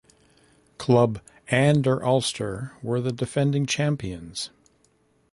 Club an der Alster were the defending champions.